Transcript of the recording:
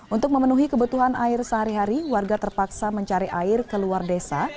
untuk memenuhi kebutuhan air sehari hari warga terpaksa mencari air ke luar desa